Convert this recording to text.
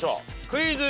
クイズ。